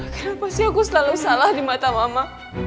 kenapa sih aku selalu salah di mata mama